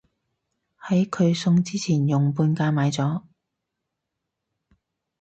喺佢送之前用半價買咗